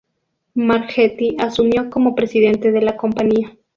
Mark Getty asumió como presidente de la compañía.